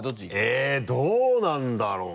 えっどうなんだろう？